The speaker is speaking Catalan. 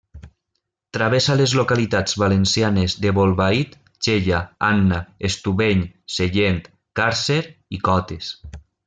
Travessa les localitats valencianes de Bolbait, Xella, Anna, Estubeny, Sellent, Càrcer i Cotes.